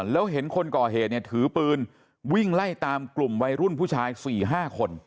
แล้วเห็นคนก่อเหตุเนี่ยถือปืนวิ่งไล่ตามกลุ่มวัยรุ่นผู้ชาย๔๕คน